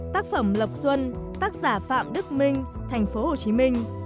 tác phẩm lộc xuân tác giả phạm đức minh tp hcm